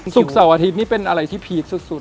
เสาร์อาทิตย์นี่เป็นอะไรที่พีคสุด